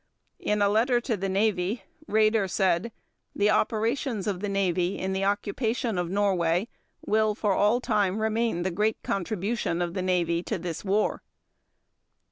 In a letter to the Navy, Raeder said: "The operations of the Navy in the occupation of Norway will for all time remain the great contribution of the Navy to this war."